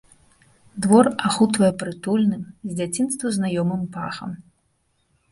Двор ахутвае прытульным, з дзяцінства знаёмым пахам.